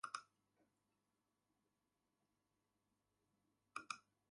Bannenberg would design both the exterior and interior of all his yacht projects.